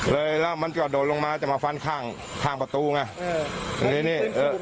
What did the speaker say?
เลยมันก็รวดลงมาจะมาฟันข้างประตูไง